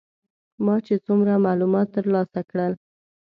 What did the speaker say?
ما چې څومره معلومات تر لاسه کړل.